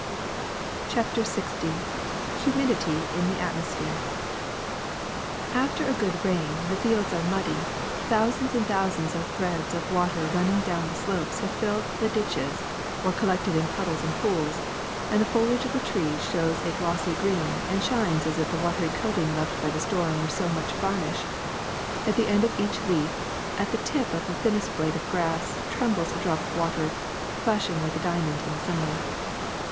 '* CHAPTER LX HUMIDITY IX THE ATMOSPHERE *' A FTER a good rain the fields are muddy; thou jLjl sands and thousands of threads of water run ning down the slopes have filled the ditohes or col lected in puddles and pools ; the foliage of the trees shows a glossy green and shines as if the watery coating left by the storm were so much varnish; at the end of each leaf, at the tip of the tiniest blade of grass, trembles a drop of water, flashing like a diamond in the sunlight.